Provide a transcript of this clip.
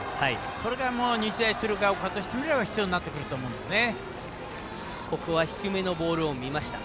それが日大鶴ヶ丘としてみれば必要になってくると思うんですね。